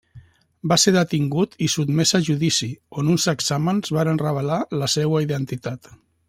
Va ser detingut i sotmès a judici, on uns exàmens varen revelar la seua identitat.